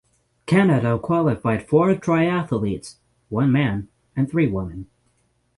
Canada qualified four triathletes (one man and three women).